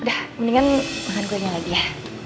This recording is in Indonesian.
udah mendingan makan kulenya lagi ya